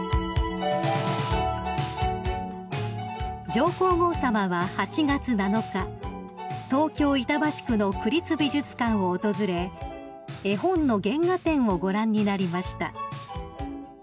［上皇后さまは８月７日東京板橋区の区立美術館を訪れ絵本の原画展をご覧になりました］